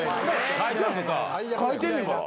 書いてんねんから。